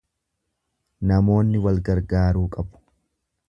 Namoonni wal gargaaruu qabu.